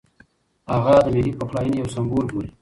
هغه د ملي پخلاینې یو سمبول بولي.